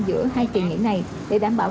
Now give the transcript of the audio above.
giữa hai kỳ nghỉ này để đảm bảo